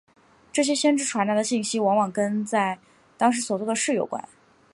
这些先知传达的信息往往跟在当时所做的事有关。